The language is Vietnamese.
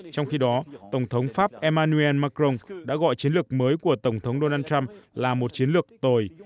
trong khi đó tổng thống pháp emmanuel macron đã gọi chiến lược mới của tổng thống donald trump là một chiến lược tồi